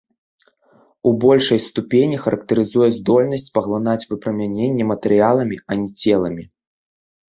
У большай ступені характарызуе здольнасць паглынаць выпрамяненне матэрыяламі, а не целамі.